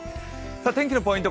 天気のポイント